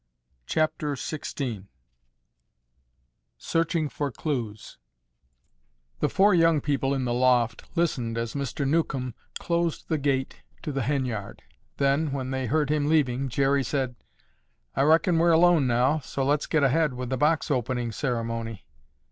CHAPTER XVI SEARCHING FOR CLUES The four young people in the loft listened as Mr. Newcomb closed the gate to the hen yard, then, when they heard him leaving, Jerry said, "I reckon we're alone now, so let's get ahead with the box opening ceremony."